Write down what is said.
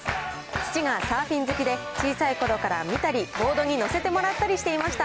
父がサーフィン好きで、小さいころから見たり、ボードに乗せてもらったりしていました。